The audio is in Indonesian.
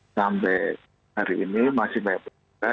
sampai hari ini masih banyak berubah